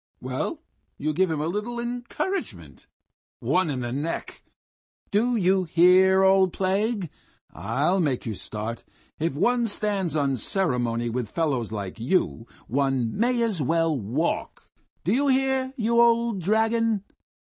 "Well, you give him a little encouragement... one in the neck!" "Do you hear, you old plague? I'll make you smart. If one stands on ceremony with fellows like you one may as well walk. Do you hear, you old dragon?